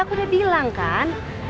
aku udah bilang kan